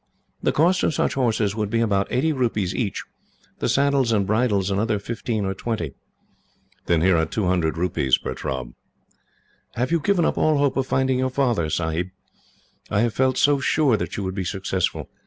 "The cost of such horses would be about eighty rupees each; the saddles and bridles another fifteen or twenty." "Then here are two hundred rupees, Pertaub." "Have you given up all hope of finding your father, Sahib? I have felt so sure that you would be successful.